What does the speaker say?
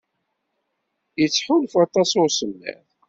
Yettḥulfu aṭas i usemmiḍ.